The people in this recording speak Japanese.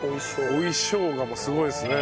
追いしょうがもすごいですね。